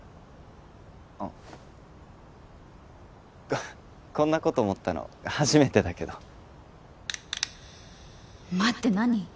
あこんなこと思ったの初めてだけど待って何？